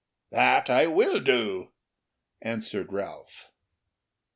"That will I do," answered Ralph.